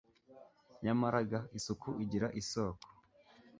nyamara ga isuku igira isoko